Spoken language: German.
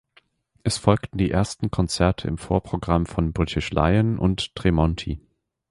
Es folgten die ersten Konzerte im Vorprogramm von British Lion und Tremonti.